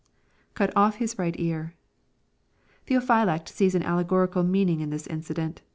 [Ctd off his Tight ear.] Theophylact sees an allegorical meaning in this incident.